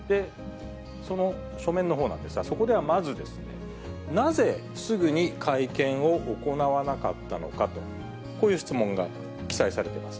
その書面のほうなんですが、そこではまずですね、なぜすぐに会見を行わなかったのかと、こういう質問が記載されています。